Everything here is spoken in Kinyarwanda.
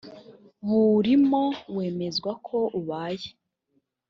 buwurimo wemezwa ko ubaye